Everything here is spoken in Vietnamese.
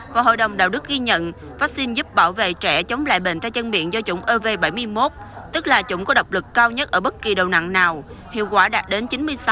và hội đồng đạo đức ghi nhận vaccine giúp bảo vệ trẻ chống lại bệnh tay chân miệng do chủng ov bảy mươi một tức là chủng có độc lực cao nhất ở bất kỳ đầu nặng nào hiệu quả đạt đến chín mươi sáu